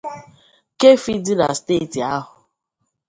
Keffi' dị na steeti ahụ.